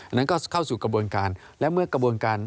นั้นก็เข้าสู่กระบวนการและเมื่อกระบวนการ